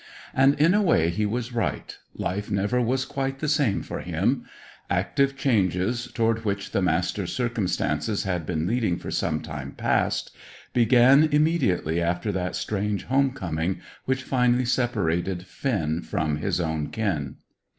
And in a way he was right; life never was quite the same for him. Active changes, toward which the Master's circumstances had been leading for some time past, began immediately after that strange home coming which finally separated Finn from his own kin.